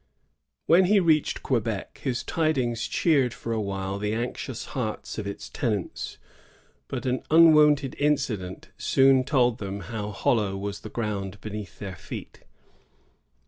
^ When he reached Quebec, his tidings cheered for a while the anxious hearts of its tenants ; but an un wonted incident soon told them how hollow was the ground beneath their feet.